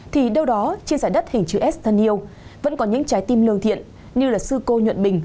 thì đâu đó trên giải đất hình chữ s thân yêu vẫn có những trái tim lương thiện như là sư cô nhuận bình